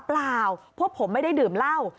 เปล่าพวกผมไม่ได้ดื่มเหล้า